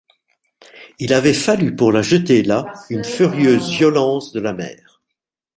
Il avait fallu pour la jeter là une furieuse violence de la mer.